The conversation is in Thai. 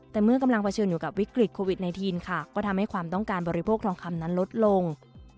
แต่เมื่อกำลังเผชิญอยู่กับวิกฤตโควิด๑๙ก็ทำให้ความต้องการบริโภคทองคำนั้นลดลง